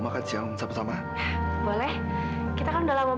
aku gak usah jalan lagi